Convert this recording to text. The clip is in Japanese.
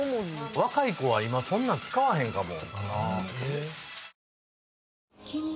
若い子は今そんなん使わへんかも。